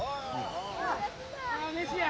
飯や！